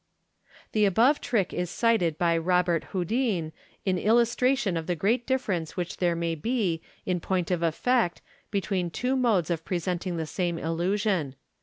The above trick is cited by Robert Houdin in illustration of the great difference which there may be, in point of effect, between two modes of presenting the same illusion.